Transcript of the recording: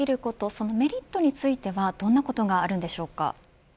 そのメリットについてはどんなことがあるんでしょうか。